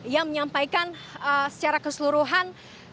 yang menyampaikan secara keseluruhan